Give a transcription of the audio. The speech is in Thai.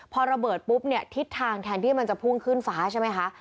พอระเบิดปุ๊บเนี่ยทิศทางแทนที่มันจะพุ่งขึ้นฟ้าใช่ไหมคะ